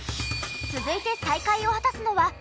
続いて再会を果たすのは。